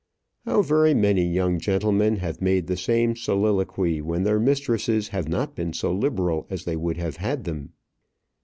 How very many young gentlemen have made the same soliloquy when their mistresses have not been so liberal as they would have had them!